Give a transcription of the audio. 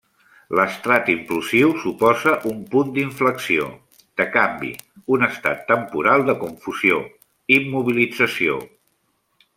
L'estrat implosiu suposa un punt d'inflexió, de canvi, un estat temporal de confusió, immobilització.